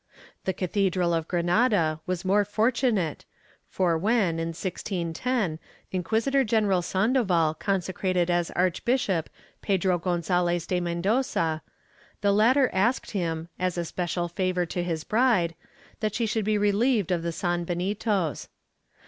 ^ The cathedral of Granada was more fortunate for when, in 1610, Inquisitor general Sandoval consecrated as arch bishop Pedro Gonzalez de Mendoza, the latter asked him, as a special favor to his bride, that she should be relieved of the san benitos.